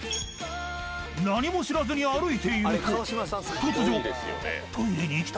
［何も知らずに歩いていると突如］